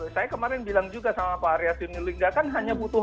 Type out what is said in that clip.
saya kemarin bilang juga sama pak arya sinulinga kan hanya butuh